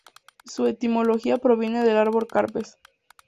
Su etimología proviene del árbol carpes.